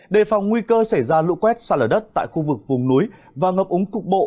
đề phòng nguy cơ xảy ra lũ quét xa lở đất tại khu vực vùng núi và ngập úng cục bộ